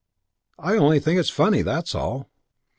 I only think it's funny, that's all."